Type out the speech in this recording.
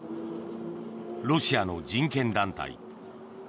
ロシアの人権団体